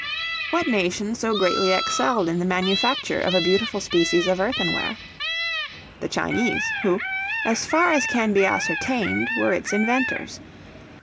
What nation so greatly excelled in the manufacture of a beautiful species of Earthenware? The Chinese, who, as far as can be ascertained, were its inventors.